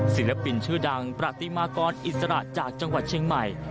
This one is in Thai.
ศิลปินชื่อดังประติมากรอิสระจากจังหวัดเชียงใหม่